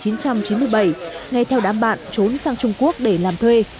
năm một nghìn chín trăm chín mươi bảy ngay theo đám bạn trốn sang trung quốc để làm thuê